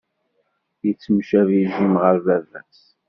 Yettemcabi Jim ɣer baba-s.